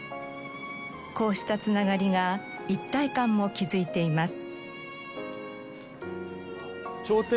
こうした繋がりが一体感も築いています。